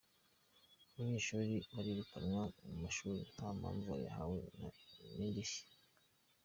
Abanyeshuli barirukanwa mu mashuli nta mpamvu bahawe nta n’indishyi.